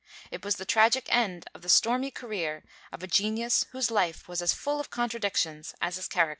It was the tragic end of the stormy career of a genius whose life was as full of contradictions as his character.